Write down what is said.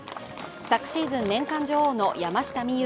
昨シーズン年間女王の山下美夢